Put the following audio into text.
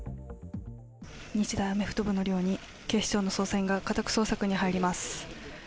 日大アメフト部の量に警視庁の捜査員が家宅捜索に入ります。